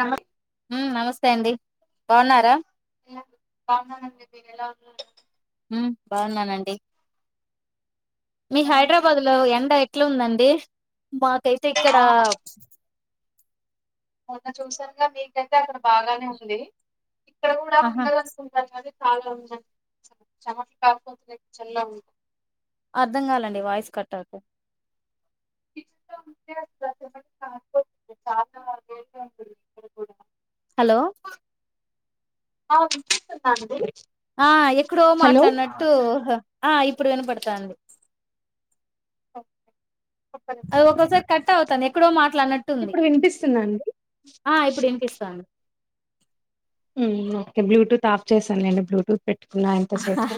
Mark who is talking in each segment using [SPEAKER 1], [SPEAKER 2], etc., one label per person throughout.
[SPEAKER 1] నమస్
[SPEAKER 2] మ్మ్ నమస్తే అండి బాగున్నారా
[SPEAKER 1] నేను బాగున్నానండి మీరెలా ఉన్నారు
[SPEAKER 2] ఉమ్ బాగున్నానండి మీ
[SPEAKER 1] ఇంకా
[SPEAKER 2] హైడ్రాబాద్
[SPEAKER 1] ఏంటండి
[SPEAKER 2] లో ఎండ
[SPEAKER 1] సంగతులు
[SPEAKER 2] ఎట్లుందండి మాకైతే ఇక్కడ
[SPEAKER 1] ఆ
[SPEAKER 2] ప్చ్
[SPEAKER 1] మొన్న చూసానుగా మీకైతే అక్కడ బాగానే ఉంది ఇక్కడ కూడా
[SPEAKER 2] ఆహా
[SPEAKER 1] ఉండాలనుకుంటను అది చాల [unintelligible] చెమట్లు కార్పోతున్నాయి చల్ల గా [unintelligible]
[SPEAKER 2] అర్థం కాలేండి వాయిస్ కట్ అవుతుంది
[SPEAKER 1] [inaudible]
[SPEAKER 2] హలో
[SPEAKER 1] ఆ వినిపిస్తుందా అండి
[SPEAKER 2] ఆ ఎక్కడో
[SPEAKER 1] హలో
[SPEAKER 2] మాట్లాడినట్టు ఆ ఇప్పుడు వినపడతాంది
[SPEAKER 1] ఓకే
[SPEAKER 2] అది ఒక్కోసారి కట్ అవుతాది ఎక్కడో మాట్
[SPEAKER 1] ఇప్పుడు వినిపిస్తుందండి
[SPEAKER 2] ఆ ఇప్పుడు వినిపిస్తాంది
[SPEAKER 1] మ్మ్ ఓకే బ్లూటూత్ ఆఫ్ చేశాను నేను బ్లూటూత్ పెట్ ట్టుకున్న ఇంత సేపు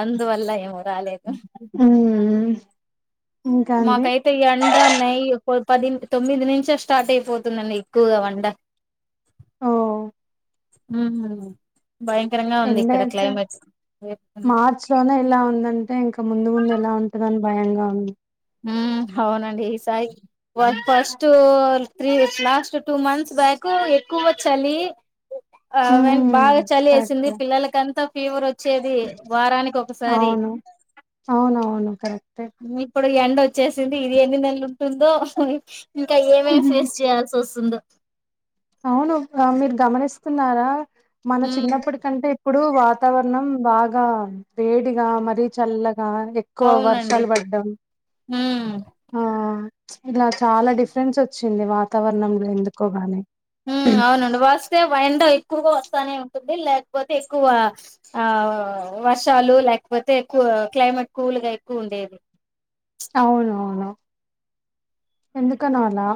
[SPEAKER 2] అందువల్ల ఏమో రాలేదు
[SPEAKER 1] మ్మ్
[SPEAKER 2] మాకైతే ఎండ నై పో పదింటి తొమ్మిది నుంచే స్టార్ట్ అయిపోతుందండి ఎక్కువగా వండ
[SPEAKER 1] ఓ
[SPEAKER 2] మ్మ్
[SPEAKER 1] ఎండ అయితే
[SPEAKER 2] క్లైమేట్
[SPEAKER 1] మార్చ్ లోనే ఇలా ఉందం ఎ ఇంకా ముందు ముందు ఎలా ఉంటందని భయంగా ఉంది
[SPEAKER 2] మ్ హ అవునండి ఈసాయి one first three years last two months back ఎక్కువ చలీ ఆవన్
[SPEAKER 1] ఉమ్
[SPEAKER 2] బాగా చలి వేసింది
[SPEAKER 1] కరెక్టే
[SPEAKER 2] పిల్లలకంతా ఫీవర్ ఒ
[SPEAKER 1] అవును అవునువును కరెక్టే
[SPEAKER 2] ఇప్పుడు ఎండ వచ్చేసింది ఇది ఎన్ని నెలలు ఉంటుందో ఇంకా ఏమేమి
[SPEAKER 1] హుహు.
[SPEAKER 2] ఫేస్ చేయాల్సి వస్తుందో
[SPEAKER 1] అవును మీరు గమనిస్తున్నారా మన
[SPEAKER 2] హ్మ్
[SPEAKER 1] చిన్నప్పటికంటే ఇప్పుడు వాతావరణం బాగా వేడిగా మరీ చల్లగా గా ఎక్కువ
[SPEAKER 2] అవునండి
[SPEAKER 1] వర్షాలు పడ్డం
[SPEAKER 2] హ్మ్
[SPEAKER 1] ఆ ఇలా చాలా డిఫరెన్స్ వచ్చింది వాతావరణంలో ఎందుకోగాని
[SPEAKER 2] మ్ అవునండి వస్తే వండ ఎక్కువగా వ వానే ఉంటుంది లేకపోతే ఎక్కువ ఆ వర్షాలు లేకపోతే ఎక్కువ క్లైమేట్ కూల్గా ఎక్కువ ఉండేది
[SPEAKER 1] అవును అవును ఎందుకనో అలా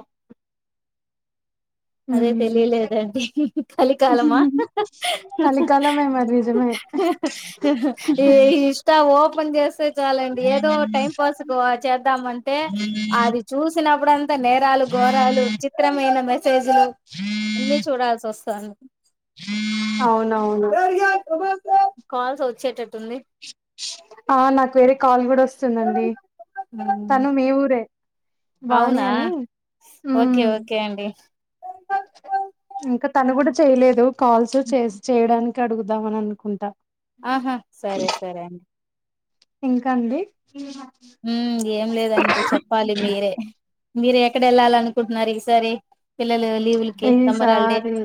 [SPEAKER 2] అదే
[SPEAKER 1] ఉమ్
[SPEAKER 2] తెలియలేదండి ఇహి హి హి కలికాలమా అహ
[SPEAKER 1] కలికాలమే మరి నిజమే
[SPEAKER 2] హ హ ఈ ఇష్ట ఓ పంజేసే లండి ఏదో టైం పాస్ చేద్దామంటే అది చూసినప్పుడుంతా నేరాలు ఘోరాలు చిత్రమైన మె స్టేజ్ లో అన్ని చూడాల్సి వస్తాంది
[SPEAKER 1] అవునవును
[SPEAKER 2] కాల్స్ వచ్చేటట్టుంది
[SPEAKER 1] ఆ నాకు వేరే కాల్ గూడా వస్ వస్తుందండి
[SPEAKER 2] మ్
[SPEAKER 1] తను మీ ఊరే వాణి
[SPEAKER 2] అవునా
[SPEAKER 1] అని
[SPEAKER 2] ఓకే
[SPEAKER 1] ఉమ్
[SPEAKER 2] ఓకే అండి
[SPEAKER 1] ఇంకా తను కూడా చేయిలేదు కాల్స్ చే చేయడానికి కఅడుగుదామని అనుకుంటా
[SPEAKER 2] ఆహా సరే సరే అండి
[SPEAKER 1] ఇంకాండి
[SPEAKER 2] ఉమ్ ఏం లేదండి చెప్పాలి మీరే మీరు ఎక్కడ వెళ్ళా
[SPEAKER 1] ఏ సారి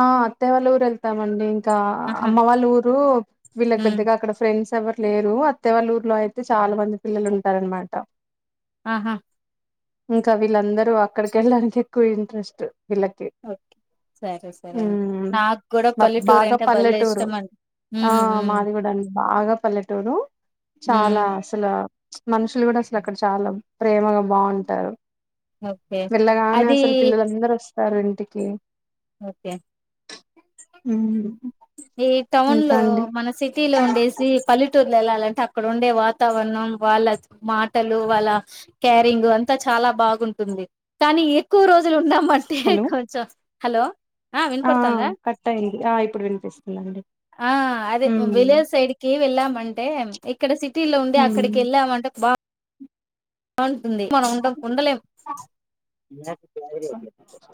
[SPEAKER 1] ఆ అత్తే వాళ్ళ ఊరు వెళ్తామండి ఇంకా
[SPEAKER 2] ఆహా
[SPEAKER 1] అమ్మ వాళ్ళ ఊరు వీళ్ళకి
[SPEAKER 2] ఉమ్
[SPEAKER 1] పెద్దగా అక్కడ ఫ్రెండ్స్ ఎవరు లేరు అత్తెవాళ్ల ఊర్లో అయితే చాలా మంది పిల్లలు ఉంటారనమాట
[SPEAKER 2] ఆహా
[SPEAKER 1] ఇంకా వీళ్ళందరూ అక్కడికి వెళ్ళడానికి ఎక్కువ ఇంట్రెస్ట్ వీళ్ళకి
[SPEAKER 2] ఓకే సరే సరే అండి
[SPEAKER 1] ఉమ్
[SPEAKER 2] నాకు కూడా పల్లెటూరు
[SPEAKER 1] బాగా
[SPEAKER 2] అంటే భలే
[SPEAKER 1] పల్లెటూరు
[SPEAKER 2] ఇష్టం అండి
[SPEAKER 1] ఆ
[SPEAKER 2] ఉమ్ ఉమ్
[SPEAKER 1] మాది కూడా అండి బాగా పల్లెటూరు చాలా
[SPEAKER 2] ఉమ్
[SPEAKER 1] అసలు మనుషులు కూడా అసలు అక్కడ చాలా ప్రేమగా బాగుంటారు
[SPEAKER 2] ఓకే
[SPEAKER 1] వెెళ్ళగానే
[SPEAKER 2] అది
[SPEAKER 1] అసలు పిల్లల అందరు వస్త వస్తారు ఇంటికి
[SPEAKER 2] ఓకే
[SPEAKER 1] హ్మ్.
[SPEAKER 2] ఏ టౌన్
[SPEAKER 1] ఇంకా
[SPEAKER 2] లో
[SPEAKER 1] అండి
[SPEAKER 2] మన సిటీ లో ఉండేసి పల్లెట వెళ్ళాలంటే అక్కడ ఉండే వాతావరణం వాళ్ళ మాటలు వాళ్ళ క్యారింగ్ అంతా చాలా బాగుంటుంది కానీ ఎక్కువ రోజులు ఉండ మంటే
[SPEAKER 1] హలో
[SPEAKER 2] కొంచెం హలో ఆ వినిపడుతుందా
[SPEAKER 1] కట్ అయింది ఆ ఇప్పుడు వినిపిస్తుందండి
[SPEAKER 2] అదే
[SPEAKER 1] హ్మ్.
[SPEAKER 2] విలేజ్ సైడ్ కి వెళ్ళామంటే ఇక్కడ సిటీ లో ఉండి అక్కడికి
[SPEAKER 1] హ్మ్.
[SPEAKER 2] వెళ్ళామంటే బా ఆన్ ంది మనం ఉండం ఉండలేం [unintelligible]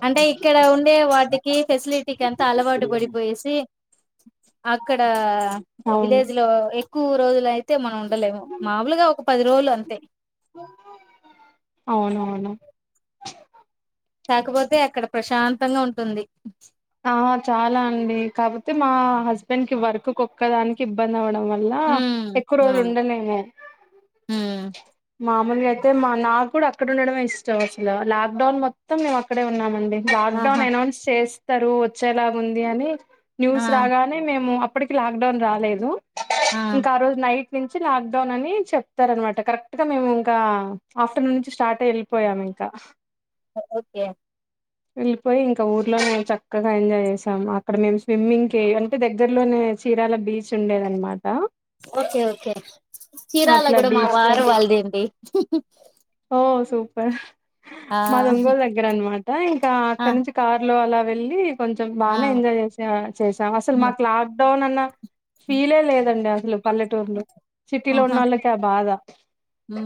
[SPEAKER 2] అంటే ఇక్కడ ఉండే వాటికి ఫెసిలిటీకి అంతా అలవాటు పడిపోయేసి అక్కడ
[SPEAKER 1] అవును
[SPEAKER 2] విలేజ్ లో ఎక్కువ రోజులు అయితే మనం ఉండలేము మాములుగా ఒక పది రోజులు అంతే
[SPEAKER 1] అవునవును
[SPEAKER 2] కాకపోతే ఇక్కడ ప్రశాంతంగా ఉంటుంది [unintelligible]
[SPEAKER 1] ఆ చాలా అండి కాకపోతే మా హస్బెండ్ కి వర్క్ ఒక్కదానికి ఇబ్బంది అవ్వడం వల్ల
[SPEAKER 2] హ్మ్
[SPEAKER 1] ఎక్కువ రోజులు
[SPEAKER 2] అవును
[SPEAKER 1] ఉండలేము
[SPEAKER 2] హ్మ్
[SPEAKER 1] మా మని అయితే మా నాకు కూడా అక్కడ ఉండడమే ఇష్టం అసలు లాక్డౌన్ మొత్తం మేము అక్కడే ఉన్నామండి లాక్
[SPEAKER 2] ఆహా
[SPEAKER 1] డౌన్ అనౌన్స్ చేస్త స్తారు వచ్చేలా ఉంది అని
[SPEAKER 2] ఆ
[SPEAKER 1] న్యూస్ రాగానే మేము ఇప్పటికి లాక్డౌన్ రాలేదు ఇంకా ఆ రోజు నైట్ నుంచి లాక్ డౌన్ అని చెప్తారు అనమాట కరెక్ట్ గా మేము ఇంకా ఆఫ్టర్నూన్ నుంచి స్టార్ట్ వెళ్ళిపోయాము ఇంకా
[SPEAKER 2] ఓకే
[SPEAKER 1] వెళ్ళిపోయి ఇంకా ఊర్లో నే చక్క చక్కగా ఎంజాయ్ చేసాం అక్కడ మేము స్విమ్మింగ్ కే అంటే దగ్గరలోనే చీరాల బీచ్ ఉండేది అన్నమాట
[SPEAKER 2] ఓకే ఓకే చీరాల
[SPEAKER 1] అట్లా
[SPEAKER 2] కూడా మా
[SPEAKER 1] బీచ్
[SPEAKER 2] వారు వాళ్లది అండి
[SPEAKER 1] ప మా ఒంగోలు దగ్గర అన్నమాట ఇంకా
[SPEAKER 2] ఆ
[SPEAKER 1] అక్కడినుంచి కార్ లో అలా మీ కొంచెం
[SPEAKER 2] ఆ
[SPEAKER 1] బాగానే ఎంజాయ్ చేస చేసాం అసలు
[SPEAKER 2] హ్మ్.
[SPEAKER 1] మాకు లాక్ డౌన్ అన్న ఫీలే లేదండి అ
[SPEAKER 2] అహ
[SPEAKER 1] ఆ బాధ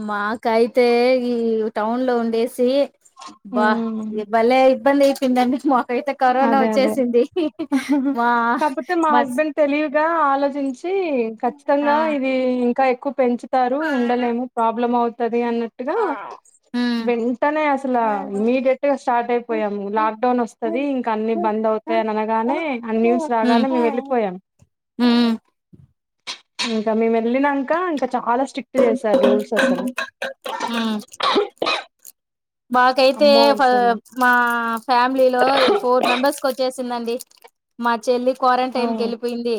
[SPEAKER 2] మాకాయితే ఈ టౌన్ లో ఉండేసి అబ్బా
[SPEAKER 1] ఉమ్
[SPEAKER 2] బలే ఇబ్బంది తింది అండి అయితే కరోనా
[SPEAKER 1] అదే అదే
[SPEAKER 2] వచ్చేసింది మా మా
[SPEAKER 1] గా ఆలోచించి ఇ
[SPEAKER 2] ఆ
[SPEAKER 1] ఖచ్చితంగా ఇది ఇంకా కు పెంచు టారు ఉండలేము ప్రాబ్లం అవు అన్నట్టుగా వెంటనే అసలు ఇమీడియట్ గా స్టార్ట్ అయిపోయాము
[SPEAKER 2] హ్మ్
[SPEAKER 1] లాక్డౌన్ వస్తుంది ఇ అన్ని
[SPEAKER 2] ఉమ్
[SPEAKER 1] బంద్ అవుతాయని అనగానే అ న్యూస్
[SPEAKER 2] ఉమ్
[SPEAKER 1] రాగానే మేము వెళ్ళిపోయాం
[SPEAKER 2] ఉమ్
[SPEAKER 1] ఇంకా మేము ఎల్లినంక ఇంకా చాలా స్ట్రిక్ట్ చేస్తారు రూల్స్ అసలు
[SPEAKER 2] మాకైతే
[SPEAKER 1] అమ్మో
[SPEAKER 2] పా
[SPEAKER 1] అసలు
[SPEAKER 2] మా ఫ్యామిలీలో ఫోర్ మెంబర్స్ వచ్చే సిందండి మా చెల్లి
[SPEAKER 1] ఆ
[SPEAKER 2] క్వారంటైన్ కి వెళ్ళిపోయింది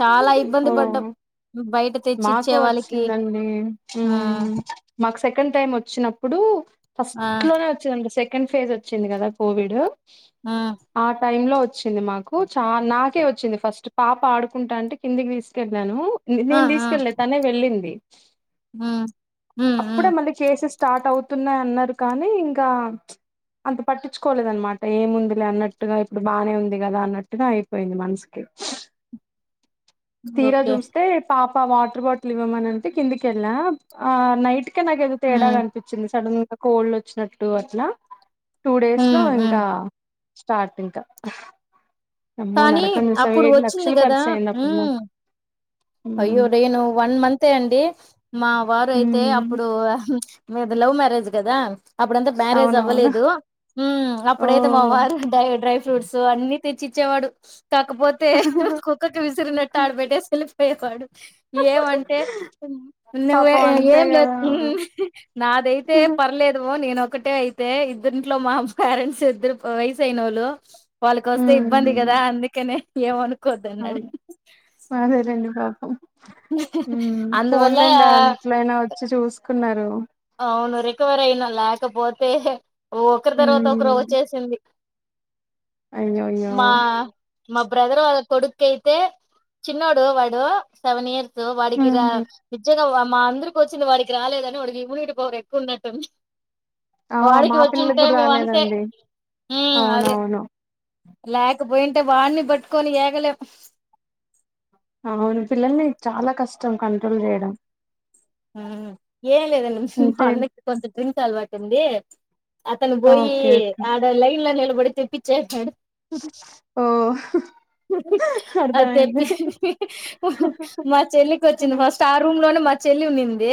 [SPEAKER 2] చాలా ఇబ్బంది పడ్డం
[SPEAKER 1] ఓ
[SPEAKER 2] బయట తెచ్చిచ్చే
[SPEAKER 1] మాకు
[SPEAKER 2] వాళ్ళకి
[SPEAKER 1] వచ్చిందండి
[SPEAKER 2] ఊ
[SPEAKER 1] మ్మ్ మాకు సెకండ్ టైమ్ వచ్చినప్పుడు
[SPEAKER 2] ఆ
[SPEAKER 1] ఫస్ట్ లోనే వచ్చిందండి సె సెకండ్ ఫేజ్ వచ్చింది కదా కోవిడ్
[SPEAKER 2] ఆ
[SPEAKER 1] ఆ టైమ్ లో వచ్చింది మాకు చ నాకే వచ్చింది ఫస్ట్ పాప ఆడుకుంటా అంటే కిందికి తీసుకెళ్ళను
[SPEAKER 2] ఆ
[SPEAKER 1] నేను
[SPEAKER 2] ఆ
[SPEAKER 1] తీసుకెళ్ళ తనే వెళ్ళింది
[SPEAKER 2] ఉమ్ ఉమ్
[SPEAKER 1] అప్పుడే
[SPEAKER 2] ఉమ్
[SPEAKER 1] మళ్ళీ కేసెస్ స్టార్ట్ అవుతున్నాయి అన్నారు కానీ ఇంకా ప్చ్ అంత పట్టించుకోలేద అనమాట ఏముంది లే అన్నట్టుగా ఇప్పుడు బానే ఉంది కదా అన్నట్టుగా అయిపోయింది మనసుకి తీరా
[SPEAKER 2] ఓకే
[SPEAKER 1] చూస్తే పాప్ ఆ వాటర్ బాటిల్ ఇవ్వమననంటే కిందికెళ్ళ ఆ నైట్ కానీ నాకేదో
[SPEAKER 2] ఉమ్
[SPEAKER 1] తేడాగా అనిపించింది సడన్ కోల్డ్ వచ్చినట్టు అట్లా టూ డేస్ లో
[SPEAKER 2] ఉమ్ ఉమ్
[SPEAKER 1] ఇంకా స్టార్ట్ ఇంకా ఆహ్
[SPEAKER 2] కానీ అప్పుడు వచ్చింది కదా
[SPEAKER 1] ఖర్చు అయింది
[SPEAKER 2] ఊమ్
[SPEAKER 1] అప్పుడు
[SPEAKER 2] హ్మ్
[SPEAKER 1] మాకు
[SPEAKER 2] అయ్యో డేను వన్ మంతే అండి మా వారు అయితే
[SPEAKER 1] ఉమ్
[SPEAKER 2] అప్పుడు ఆహ్ మీది లవ్ మ్యారేజ్ కదా అప్పుడంతా మ్యారేజ్
[SPEAKER 1] అవునవును
[SPEAKER 2] అవ్వలేదు ఊమ్
[SPEAKER 1] ఓ
[SPEAKER 2] అప్పుడైతే మా వారు డై డ్రై ఫ్రూట్స్ అన్ని తె చి ఇచ్చేవాడు కాకపోతే కుక్కకి విసిరినట్టు ఆడబెట్టే ఎల్లి పేకాడు ఏమంటే నువ
[SPEAKER 1] పాపం అంతే
[SPEAKER 2] ఏం లేదు
[SPEAKER 1] కదా
[SPEAKER 2] ఊహ్మ్ హ్మ్ నాదైతే పర్లేదువో నేను ఒకటే అయితే ఇద్దరింట్లో మా పేరెంట్స్ ఇద్దరు వయసు ఐనోళ్లు వాళ్ళ కస్తే బంది కదా అందుకనే ఏవను
[SPEAKER 1] ఉమ్ అదే లెండి అదే ఊమ్
[SPEAKER 2] అందువల్ల
[SPEAKER 1] ఫోన్లండి ఆల్ ఇట్లైనా వచ్చి చూసుకున్నారు అ
[SPEAKER 2] అవును రికవర్ అయినా లేకపోతే ఓ ఒకరి తర్వాత ఒకరు వచ్చేసింది
[SPEAKER 1] అయ్యో అయ్యో
[SPEAKER 2] మా మా బ్రదర్ వాళ్ళ కొడుకు అయితే చిన్నాోడు వాడు సెవెన్ ఇయర్స్ ర్సు వాడికి
[SPEAKER 1] హ్మ్
[SPEAKER 2] నిజంగా వా మా అందరికి వచ్చంది వాడికి రాలేదని వాడు దిగులు పోరు ఎకు ఉన్నటుంది
[SPEAKER 1] ఆ మా పిల్లలకు కూడా రాలేదండి
[SPEAKER 2] ఉమ్ అదే
[SPEAKER 1] అవునవును
[SPEAKER 2] లేకపోయింటే వాడిని పట్టుకొని ఏగలేం
[SPEAKER 1] అవును పిల్లల్ని చాలా కష్టం కంట్రోల్ చేయడం
[SPEAKER 2] ఉమ్ ఏం లేదండి మా
[SPEAKER 1] అంటే
[SPEAKER 2] అన్నకి కొంచం డ్రింక్ అలవాటు ఉంది అతను బోయి
[SPEAKER 1] ఓకే ఓకే
[SPEAKER 2] ఆడ లైన్లని వాడు తేపిచ్చే అటునాడు
[SPEAKER 1] ఓ
[SPEAKER 2] అ
[SPEAKER 1] అర్థమైంది
[SPEAKER 2] తెప్పిచు మా చెల్లికి వచ్చింది
[SPEAKER 1] హ్మ్.
[SPEAKER 2] ఫస్ట్ ఆ రూమ్ లోనే మా చెల్లి ఉండింది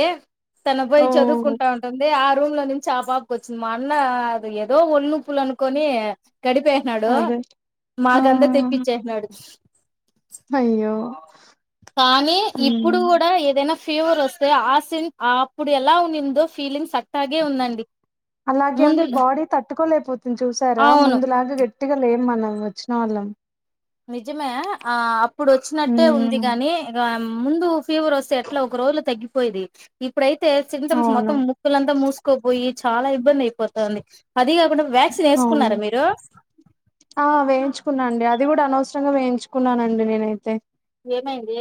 [SPEAKER 2] తను పోయి
[SPEAKER 1] ఓహ్
[SPEAKER 2] చదువుకుంటా ఉంటుంది ఆ రూమ్ లో నుంచి ఆ పాపకు వచ్చింది మా అన్న ఏదో ఒళ్ళునోప్పు తప్పులు అనుకని గడిపేసినాడు
[SPEAKER 1] అదే ఆ
[SPEAKER 2] మాకంత తి నాడు
[SPEAKER 1] అయ్యో
[SPEAKER 2] కానీ ఇప్పుడు
[SPEAKER 1] హ్మ్
[SPEAKER 2] కూడా ఏదైనా ఫీవర్ వస్తే ఆ సిన్ అప్పుడు ఎలా ఉండిదో ఫీలింగ్స్ అ
[SPEAKER 1] అలాగే ఉంది బాడీ తట్టుకోలేపోతుంది చూసారా
[SPEAKER 2] అవును
[SPEAKER 1] ముందులాగా గట్టి గట్టిగా లేం మనం వచ్చిన వాళ్ళం
[SPEAKER 2] నిజమే ఆపు ఇప్పుడు వచ్చినట్టే ఉంది
[SPEAKER 1] హ్మ్
[SPEAKER 2] గాని ముందు ఫీవర్ వస్తే ఎట్ల ఒక రోజులో తగ్గి పోయేది ఇప్పుడై తే సిమ్టమ్స్
[SPEAKER 1] అవును
[SPEAKER 2] మొత్తం ముక్కులంతా మూసుకపోయి చాలా ఇబ్బంది అయిపోతంది
[SPEAKER 1] అవును ఆ వేయించుకున్నా అండి అది కూడా అనవస రంగా వేయించుకున్నానండి నేనైతే
[SPEAKER 2] ఏమైంది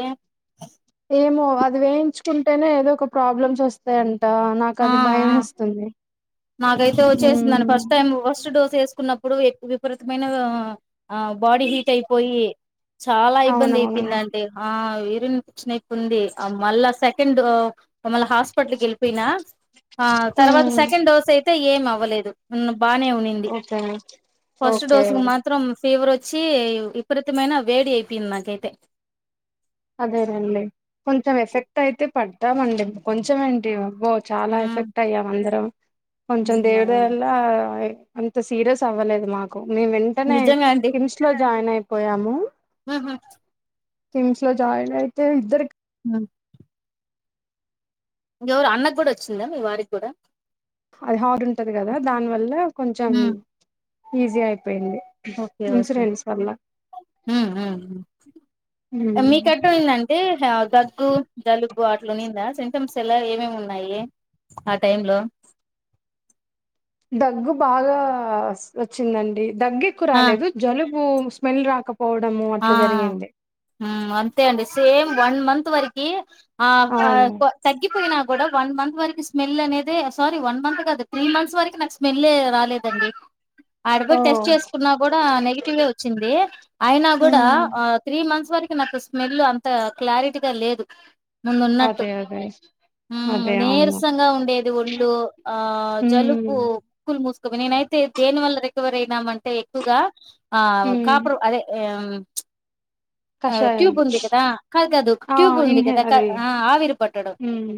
[SPEAKER 1] ఏమో అది వేయించుకుంటేనే ఏదో ఒక ప్రాబ్లమ్స్ వస్తాయ ట నాకు
[SPEAKER 2] ఆ
[SPEAKER 1] అది
[SPEAKER 2] ఆ
[SPEAKER 1] భయం ఏస్తుంది
[SPEAKER 2] నాకైతే వచ్చేసిందని ఫస్ట్ టైం ఫస్ట్ డోస్ ఏసుకున్న ప్పుడు ఎక్కువ విపరీతమైన ఆ బాడీ హీట్ అయిపోయి చాలా ఇబ్బంది
[SPEAKER 1] అవునవును
[SPEAKER 2] అయిపోందండి ఆ యరిన్ ఇన్ఫెక్షన్ అయితుంది ఆ మళ్ళా సెకండ్ మళ్ళ హాస్పటల్ కేళ్ళిపోయినా ఆ తర్వాత
[SPEAKER 1] ఉమ్
[SPEAKER 2] సెకండ్ డోస్ ఏం అవ్వలేదు ఉన్న బానే ఉన్నింది
[SPEAKER 1] ఓకే
[SPEAKER 2] ఫస్ట్
[SPEAKER 1] ఓకే
[SPEAKER 2] డోసు కు మాత్రం ఫీవర్ వచ్చి విపరీతమైన వేడి అయిపోయింది నాకైతే
[SPEAKER 1] అదేనండి కొంచెం ఎఫెక్ట్ అయితే పడతామండి కొంచెం ఏంటి ఓ చాలా
[SPEAKER 2] హ్మ్
[SPEAKER 1] ఎఫెక్ట్ అయ్యాం అందరం కొంచెం
[SPEAKER 2] హ్మ్
[SPEAKER 1] దేవుడి
[SPEAKER 2] అవును.
[SPEAKER 1] వల్ల అయి అంత సీరియస్ అవ్వలేదు నాకు మేం వెంటనే
[SPEAKER 2] నిజంగా
[SPEAKER 1] కిమ్స్ లో జాయిన్ అయ్యాం వాము
[SPEAKER 2] ఉహు
[SPEAKER 1] తుంచ్ నువ్వు జాగ్రత్త ఇద్దరికీ
[SPEAKER 2] ఆవుట్ ఇంకెవరు అన్నకి కూడా వచ్చిందా మీ వారికి కూడా
[SPEAKER 1] అహర్ డ్ ఉంటది కదా దాని వల్ల కొంచెం
[SPEAKER 2] హ్మ్.
[SPEAKER 1] ఈజీ ఆయితే
[SPEAKER 2] ఓకే ఓకే ఉ ఉ
[SPEAKER 1] ఉమ్.
[SPEAKER 2] మీకెట్టాయిందంటే దగ్గు జలుబు అట్లు ఉన్నిందా చూపించాల ఏమేమి ఉన్నాయో ఆ టైంలో
[SPEAKER 1] దగ్గు బాగా వచ్చిందండి దగ్గెక్కు
[SPEAKER 2] ఆ
[SPEAKER 1] రాలేదు జలుబ్ ఓం స్మెల్ రాక
[SPEAKER 2] ఆ అంతే అండి సేమ్ వన్ మంత్ వరకి ఆగ్ ఆ
[SPEAKER 1] అవును
[SPEAKER 2] తగ్గిపోయినా కూడా వన్ మంత్ వరకి స్మెల్ అనేదే సారీ వన్ మంత్ కదా త్రీ మంత్స్ వరకి నాకు స్మెల్ రాలేదండి
[SPEAKER 1] ఓ
[SPEAKER 2] ఆడబొయి టెస్ట్ చేసుకున్నా కూడా నెగిటివ్ ఎ వచ్చింది అయినా కూడా
[SPEAKER 1] ఉమ్
[SPEAKER 2] త్రీ మంత్స్ వరకు నాకు స్మెల్ అంత క్లారిటీగా లేదు ముందు ఉన్నట్టు
[SPEAKER 1] అదే అదే
[SPEAKER 2] ఉ
[SPEAKER 1] అదే అవును
[SPEAKER 2] నీరసంగా ఉండేది ఒళ్ళు ఆ జలుబు
[SPEAKER 1] ఉమ్
[SPEAKER 2] ముక్కులు మూసు నేనైతే దేని వల్ల రికవర్ అయినామ అంటే ఎక్కువగా ఆ
[SPEAKER 1] ఉమ్
[SPEAKER 2] కాపుర్ అదే ఆ
[SPEAKER 1] కషాయం
[SPEAKER 2] ట్యూబ్ ఉంది కాదు కాదు
[SPEAKER 1] ఆ
[SPEAKER 2] ట్యూబ్ ఉంది
[SPEAKER 1] ఇన్హే
[SPEAKER 2] కదా
[SPEAKER 1] అది
[SPEAKER 2] ఆవిరి పట్టడం
[SPEAKER 1] ఉమ్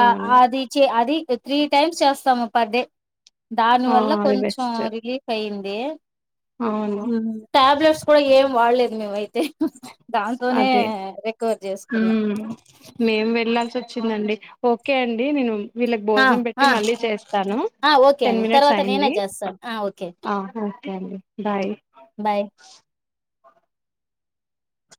[SPEAKER 2] ఆ అది అది త్రీ టైమ్స్ చేస్తాము పర్ డే దాని
[SPEAKER 1] ఆ
[SPEAKER 2] వల్ల
[SPEAKER 1] అది
[SPEAKER 2] కొంచెం
[SPEAKER 1] బెస్ట్
[SPEAKER 2] రిలీఫ్ అయ్యింది దే
[SPEAKER 1] అవును
[SPEAKER 2] ఉట్యాబ్లట్ కో ఏం వాల్లేదు మేమైతే దాంతోనే
[SPEAKER 1] అదే
[SPEAKER 2] రికవర్ చేసుకున్నాం
[SPEAKER 1] ఉమ్ మేం వెళ్ళాల్సొ చ్చిందండి ఓకే అండి నేను వీళ్ళక్
[SPEAKER 2] ఆ
[SPEAKER 1] భోజనం పెట్టి
[SPEAKER 2] ఆ
[SPEAKER 1] మళ్ళీ చేస్తాను
[SPEAKER 2] ఆ ఓకే
[SPEAKER 1] టెన్
[SPEAKER 2] అండి
[SPEAKER 1] మినిట్స్
[SPEAKER 2] తర్వాత నేనే
[SPEAKER 1] అయింది
[SPEAKER 2] చేస్తాను ఆ ఓకే
[SPEAKER 1] చర్లే బాయ్
[SPEAKER 2] బాయ్